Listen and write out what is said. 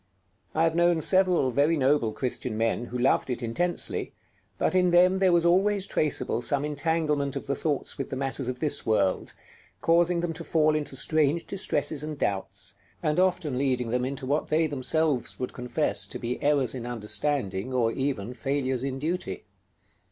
I have known several very noble Christian men who loved it intensely, but in them there was always traceable some entanglement of the thoughts with the matters of this world, causing them to fall into strange distresses and doubts, and often leading them into what they themselves would confess to be errors in understanding, or even failures in duty.